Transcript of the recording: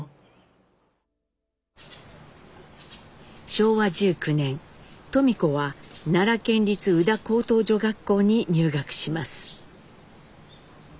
昭和１９年登美子は奈良県立宇陀高等女学校に入学します。